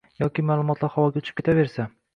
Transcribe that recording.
yoki maʼlumotlar havoga uchib ketaversa